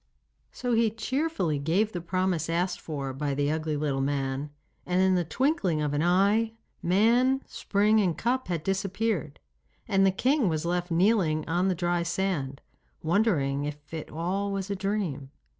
So he cheerfully gave the promise asked for by the ugly little man, and in the twinkling of an eye, man, spring, and cup had disappeared, and the king was left kneeling on the dry sand, wondering if it was all a dream.